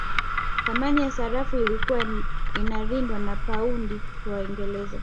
Thamani ya sarafu ilikuwa inalindwa na paundi ya Uingereza